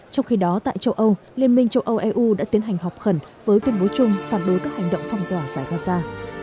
trong khi đó tại châu âu liên minh châu âu eu đã tiến hành họp khẩn với tuyên bố chung phản đối các hành động phong tỏa giải gaza